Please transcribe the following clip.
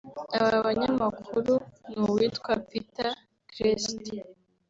Aba banyamakuru ni uwitwa Peter Greste